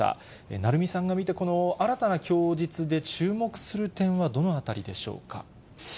鳴海さんが見て、この新たな供述で注目する点はどのあたりでしょうか。